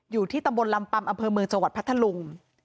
อยู่ที่ตำบลลำปัมอำเภอเมืองจังหวัดพัทธลุง